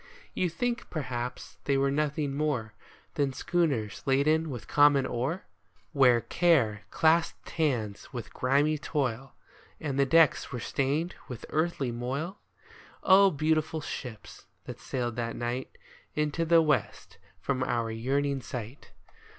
You think, perhaps, they were nothing more Than schooners laden with common ore ? Where Care clasped hands with grimy Toil, And the decks were stained with earthly moil ? Oh, beautiful ships, that sailed that night Into the west from our yearning sight.